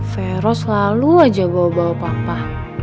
vero selalu aja bawa bawa papa